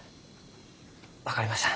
分かりました。